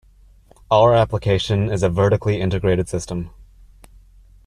Our application is a vertically integrated system.